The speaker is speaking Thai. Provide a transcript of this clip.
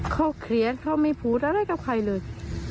เขาเขียนเขาไม่พูดอะไรกับใครเลย